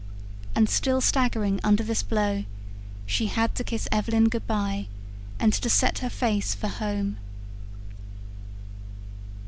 And still staggering under this blow, she had to kiss Evelyn good bye, and to set her face for home.